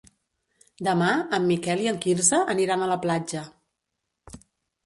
Demà en Miquel i en Quirze aniran a la platja.